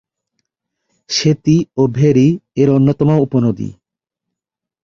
সেতী ও ভেরী এর অন্যতম উপনদী।